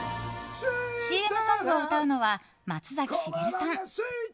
ＣＭソングを歌うのは松崎しげるさん。